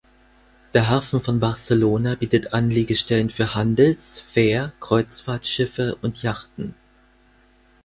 Der Hafen von Barcelona bietet Anlegestellen für Handels-, Fähr-, Kreuzfahrtschiffe und Yachten.